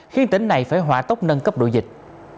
khiến tỉnh này phải hỏa tốc nâng cấp độ dịch